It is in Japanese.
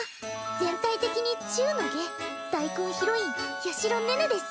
全体的に中の下大根ヒロイン・八尋寧々です